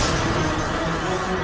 aku akan menangkan gusti ratu